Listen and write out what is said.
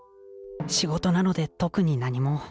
仕事なので特に何も。